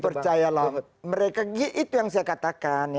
percaya lah mereka gitu yang saya katakan